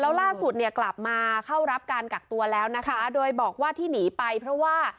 แล้วล่าสุดเนี่ยกลับมาเข้ารับการกักตัวแล้วนะคะโดยบอกว่าที่หนีไปเพราะว่า